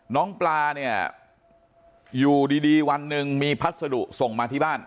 น้องปลาเนี่ยอยู่ดีวันหนึ่งมีพัสดุส่งมาที่บ้าน